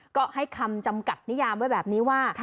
ก็ให้คำจำกัดนิยามไว้แบบนี้ว่า